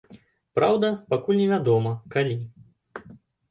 Праўда, пакуль невядома, калі.